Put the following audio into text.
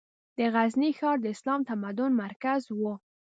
د غزني ښار د اسلامي تمدن مرکز و.